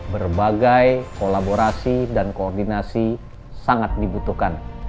berbagai kolaborasi dan koordinasi sangat dibutuhkan